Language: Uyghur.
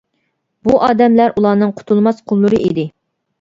بۇ ئادەملەر ئۇلارنىڭ قۇتۇلماس قۇللىرى ئىدى.